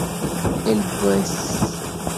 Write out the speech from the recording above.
El vz.